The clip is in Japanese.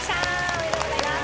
おめでとうございます。